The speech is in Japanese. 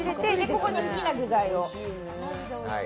ここに好きな具材を。